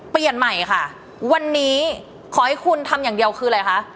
เปลี่ยนใหม่ค่ะวันนี้ขอให้คุณทำอย่างเดียวคืออะไรคะ